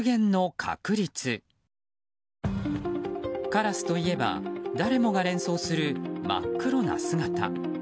カラスといえば誰もが連想する真っ黒な姿。